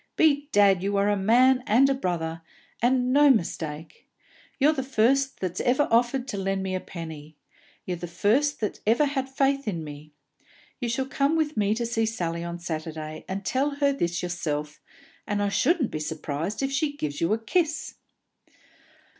"Bedad, you are a man and a brother, and no mistake! Ye're the first that ever offered to lend me a penny; ye're the first that ever had faith in me! You shall come with me to see Sally on Saturday, and tell her this yourself, and I shouldn't be surprised if she gives you a kiss!"